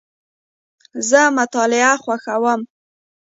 زه مطالعه خوښوم.